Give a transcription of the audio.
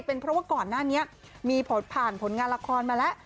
เป็นเพราะว่าก่อนหน้านี้มีผลผ่านผลงานละครมาแล้ว